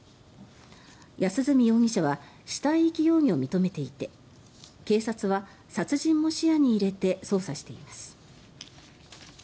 安栖容疑者は死体遺棄容疑を認めていて警察は殺人も視野に入れて捜査しています。